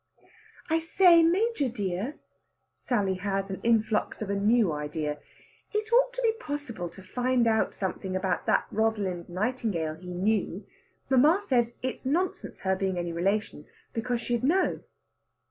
"I say, Major dear" Sally has an influx of a new idea "it ought to be possible to find out something about that Rosalind Nightingale he knew. Mamma says it's nonsense her being any relation, because she'd know."